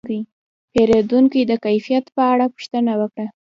پیرودونکی د کیفیت په اړه پوښتنه وکړه.